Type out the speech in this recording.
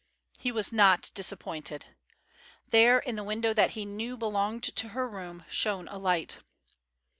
He was not disappointed. There, in the window that he knew belonged to her room, shone a light.